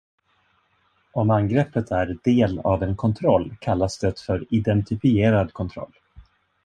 Om angreppet är del av en kontroll kallas det för identifierad kontroll.